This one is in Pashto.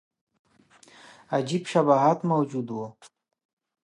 عجیب شباهت موجود وو.